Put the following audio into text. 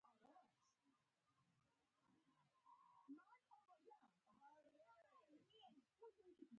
خرما د معدې باکتریاوې تنظیموي.